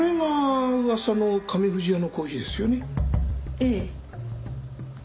ええ。